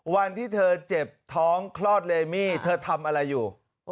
วันที่เธอเจ็บท้องคลอดเลมี่เธอทำอะไรอยู่